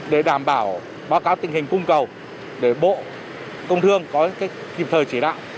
để đảm bảo báo cáo tình hình cung cầu để bộ công thương có kịp thời chỉ đạo